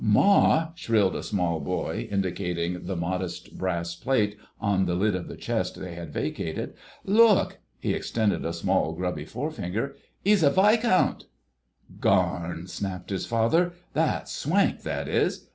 "Ma!" shrilled a small boy, indicating the modest brass plate on the lid of the chest they had vacated. "Look—" he extended a small, grubby forefinger, "'e's a Viscount!" "Garn," snapped his father, "that's swank, that is.